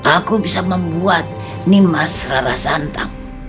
aku bisa membuat nimas rara santam